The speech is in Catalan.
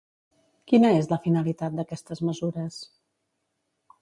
Quina és la finalitat d'aquestes mesures?